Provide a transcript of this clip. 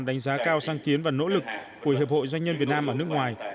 đánh giá cao sang kiến và nỗ lực của hiệp hội doanh nhân việt nam ở nước ngoài